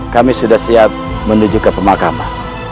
kami sudah siap menuju ke pemakaman